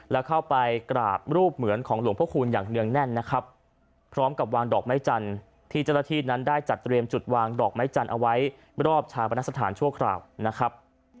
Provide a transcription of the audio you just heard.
แล้วเข้าไปกราบรูปเหมือนของหลวงพระคูณอย่างเนื่องแน่นนะครับพร้อมกับวางดอกไม้จันทร์ที่เจ้าหน้าที่นั้นได้จัดเตรียมจุดวางดอกไม้จันทร์เอาไว้รอบชาปนสถานชั่วคราวนะครับ